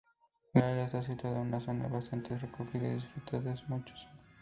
La isla está situada en una zona bastante recogida y disfruta de mucho sol.